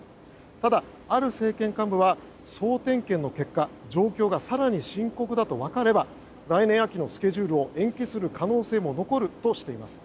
ただ、ある政権幹部は総点検の結果状況が更に深刻だとわかれば来年秋のスケジュールを延期する可能性も残るとしています。